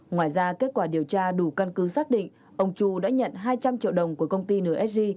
ngoài ra kết quả điều tra đủ căn cứ xác định ông chu đã nhận hai trăm linh triệu đồng của công ty nsg